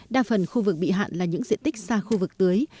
đa phần khu vực bị hạn là những diện tích xa khu vực tưới